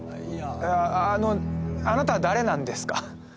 いやあのあなた誰なんですか？